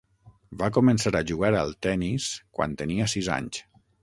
Va començar a jugar al tenis quan tenia sis anys.